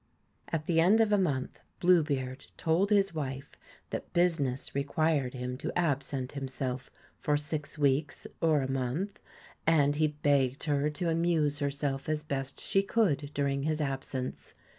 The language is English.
At the end of a month, Blue beard told his wife that business required him to absent himself for six weeks or a month, and he begged her to amuse herself as best she could during his absence.